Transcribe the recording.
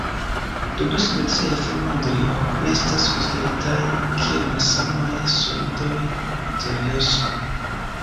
La du simetriaj formoj de "J" ne estas konsideritaj kiel malsamaj solidoj de Johnson.